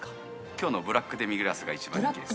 今日のブラックデミグラスが一番人気です。